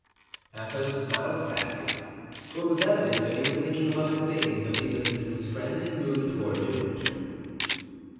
Athos smiled sadly, for it was evident that he was thinking of other things as he listened to his friend and moved toward De Winter.